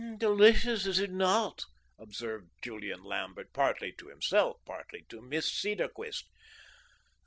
"Delicious, is it not?" observed Julian Lambert, partly to himself, partly to Miss Cedarquist.